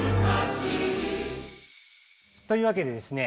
というわけでですね